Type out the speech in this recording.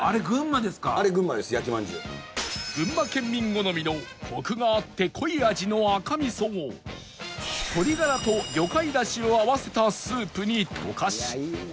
群馬県民好みのコクがあって濃い味の赤味噌を鶏ガラと魚介出汁を合わせたスープに溶かし